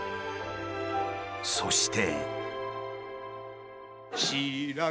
そして。